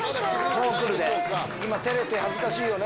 今照れて恥ずかしいよね。